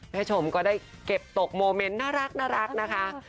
ชมก็ได้เก็บตกโมเมนต์น่ารักนะคะ